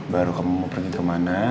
baru kamu mau pergi kemana